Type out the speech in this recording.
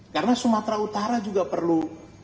karena sumatera utara juga perlu